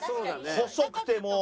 細くてもう。